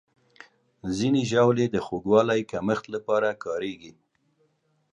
ځینې ژاولې د خوږوالي کمښت لپاره کارېږي.